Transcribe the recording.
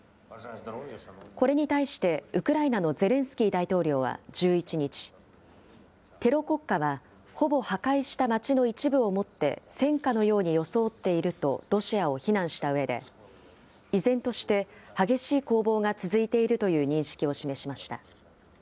これに対して、ウクライナのゼレンスキー大統領は１１日、テロ国家はほぼ破壊した町の一部をもって、戦果のように装っていると、ロシアを非難したうえで、依然として、激しい攻防が続いているという認識を示しました。